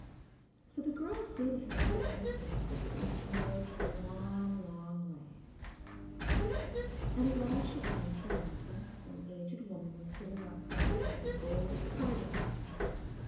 So the girl seated herself on the horse, and rode for a long, long way, and at last she came to the mountain, where an aged woman was sitting outside with a gold carding comb.